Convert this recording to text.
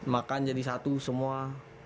makan jadi satu semua